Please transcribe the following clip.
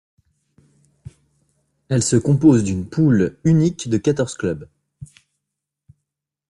Elle se compose d'une poule unique de quatorze clubs.